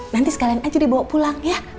nanti sekalian aja dibawa pulang ya